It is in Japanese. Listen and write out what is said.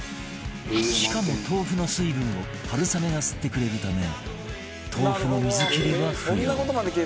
しかも豆腐の水分を春雨が吸ってくれるため豆腐の水切りは不要